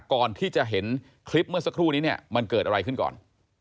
ก่อนที่จะเห็นคลิปเมื่อสักครู่นี้เนี่ยมันเกิดอะไรขึ้นก่อน